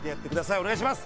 お願いします。